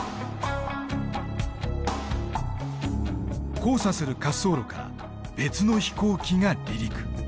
交差する滑走路から別の飛行機が離陸。